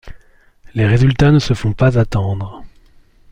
Les résultats ne se font pas attendre.